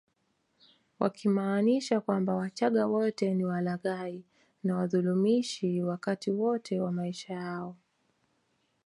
Wakimaanisha kwamba wachaga wote ni walaghai na wadhulumishi wakati wote wa maisha yao